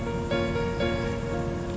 kamu berat untuk ngelakuin hal ini